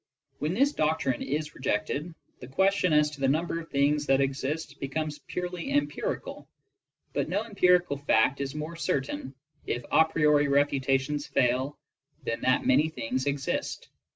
When this doctrine is rejected, the question as to the number of things that exist becomes purely empirical, but no empirical fact is more cer tain, if a priori refutations fail, than that many things exist.